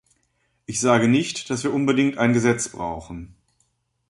Ich sage nicht, dass wir unbedingt ein Gesetz brauchen.